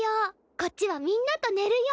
こっちはみんなと寝る用。